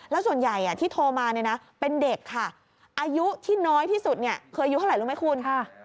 แล้วส่วนใหญ่ที่โทรมาเนี่ยนะเป็นเด็กค่ะอายุที่น้อยที่สุดคืออายุเท่าไหร่รู้ไหมคุณค่ะ